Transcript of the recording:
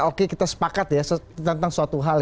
oke kita sepakat ya tentang suatu hal